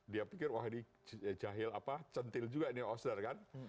dia pikir wah ini jahil apa centil juga ini osder kan